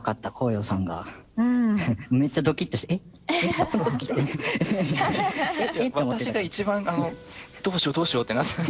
私が一番どうしようどうしようってなって。